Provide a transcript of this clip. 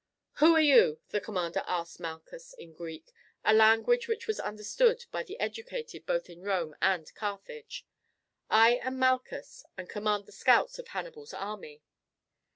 "Who are you?" the commander asked Malchus in Greek, a language which was understood by the educated both of Rome and Carthage. "I am Malchus, and command the scouts of Hannibal's army."